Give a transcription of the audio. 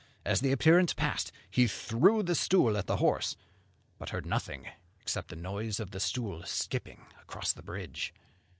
As the appearance passed, he threw the stool at the horse, but heard nothing except the noise of the stool skipping across the bridge.